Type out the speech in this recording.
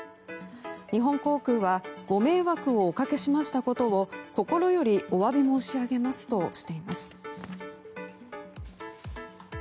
日本航空はご迷惑をおかけしましたことを心よりお詫び申し上げますとしています。